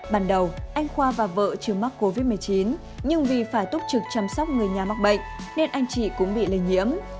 bản đầu anh khoa và vợ chưa mắc covid một mươi chín nhưng vì phải túc trực chăm sóc người nhà mắc bệnh nên anh chị cũng bị lây nhiễm